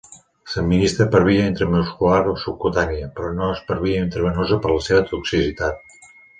S'administra per via intramuscular o subcutània, però no per via intravenosa per la seva toxicitat.